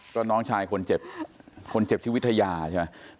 ก็น้องชายคนเจ็บชื่อวิทยาใช่ไหม